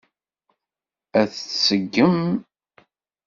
Ad t-tseggem?